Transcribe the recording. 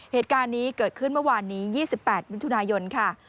เหตุการณ์นี้เกิดขึ้นเมื่อวานนี้๒๘มิถุนายนค่ะ